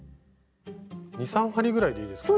２３針ぐらいでいいですか？